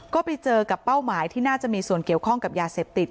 ก็ไปเจอกับเป้าหมายที่น่าจะมีส่วนเกี่ยวข้องกับยาเสพติด